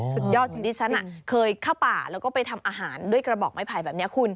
สุดยอดจริงที่ฉันเคยเข้าป่าแล้วก็ไปทำอาหารด้วยกระบอกไม้ไผ่แบบนี้คุณ